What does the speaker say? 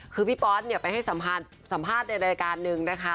คือพี่ป๊อตไปให้สัมภาษณ์ในรายการนึงนะคะ